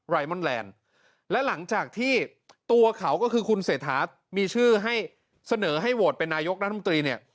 รมอนแลนด์และหลังจากที่ตัวเขาก็คือคุณเศรษฐามีชื่อให้เสนอให้โหวตเป็นนายกรัฐมนตรีเนี่ย